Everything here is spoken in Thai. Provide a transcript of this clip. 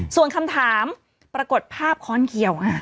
ส่วนคำถามปรากฏภาพค้อนเขียว